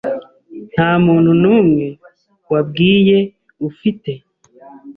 Nta muntu n'umwe wabwiye, ufite?